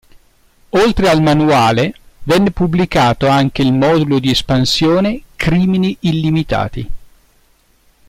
Oltre al manuale venne pubblicato anche il modulo di espansione "Crimini Illimitati".